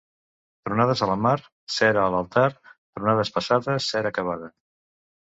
Tronades a la mar, cera a l'altar; tronades passades, cera acabada.